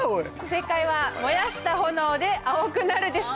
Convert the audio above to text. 正解は「燃やした炎で青くなる」でした！